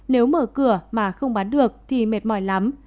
nếu mở cửa mà không bán được thì mệt mỏi lắm